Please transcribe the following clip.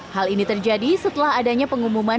hal ini terjadi setelah adanya pengumuman